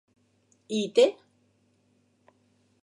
I té??